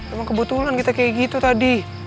emang kebetulan kita kayak gitu tadi